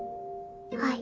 はい。